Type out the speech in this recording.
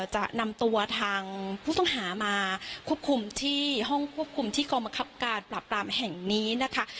จะนำตัวทางผู้ต้องหามาควบคุมที่ห้องควบคุมที่กองบังคับการปราบปรามแห่งนี้นะคะ